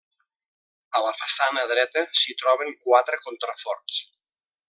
A la façana dreta s'hi troben quatre contraforts.